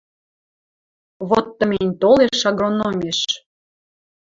Вот тымень толеш агрономеш.